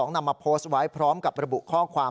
นำมาโพสต์ไว้พร้อมกับระบุข้อความ